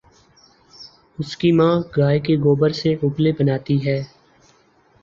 اس کی ماں گائےکے گوبر سے اپلے بناتی ہے